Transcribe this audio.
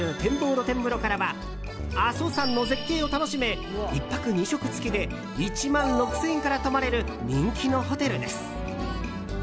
露天風呂からは阿蘇山の絶景を楽しめ１泊２食付きで１万６０００円から泊まれる人気のホテルです。